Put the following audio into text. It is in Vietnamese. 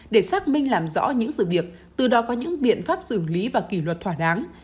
để xác minh làm rõ những sự việc từ đó có những biện pháp xử lý và kỷ luật thỏa đáng